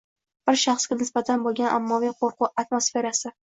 Bir shaxsga nisbatan boʻlgan ommaviy qoʻrquv atmosferasi